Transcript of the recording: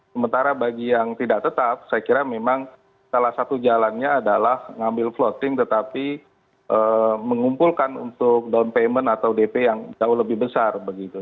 sementara bagi yang tidak tetap saya kira memang salah satu jalannya adalah ngambil floating tetapi mengumpulkan untuk down payment atau dp yang jauh lebih besar begitu